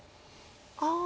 ああ。